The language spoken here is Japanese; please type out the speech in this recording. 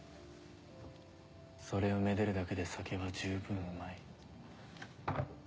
それをめでるだけで酒は十分うまい。